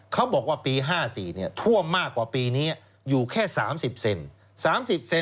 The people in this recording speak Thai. เขาบอกว่าปี๕๔ท่วมมากกว่าปีนี้อยู่แค่๓๐เซน๓๐เซน